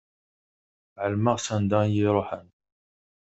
Ɛelmeɣ s anda i iruḥen.